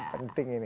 ah penting ini